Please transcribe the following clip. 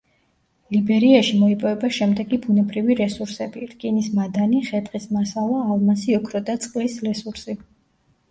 ლიბერიაში მოიპოვება შემდეგი ბუნებრივი რესურსები: რკინის მადანი, ხე-ტყის მასალა, ალმასი, ოქრო და წლის რესურსი.